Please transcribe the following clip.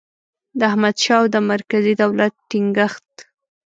د احمدشاه او د مرکزي دولت ټینګیښت